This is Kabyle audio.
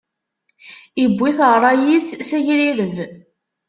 Iwwi-t ṛṛay-is s agrireb.